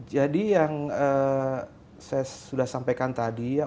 jadi yang saya sudah sampaikan tadi ya